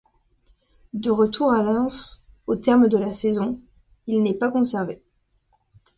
De retour à Lens au terme de la saison, il n'est pas conservé.